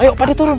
ayo pak deh turun